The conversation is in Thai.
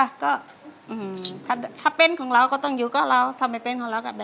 ถ้าเป็นของเราก็ต้องอยู่ก็เล่าถ้าไม่เป็นของเราก็แบ่งก็เล่าขึ้น